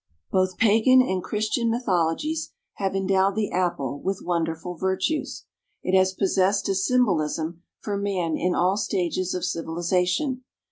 Both pagan and Christian mythologies have endowed the Apple with wonderful virtues. It has possessed a symbolism for man in all stages of civilization.